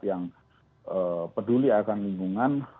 yang peduli akan lingkungan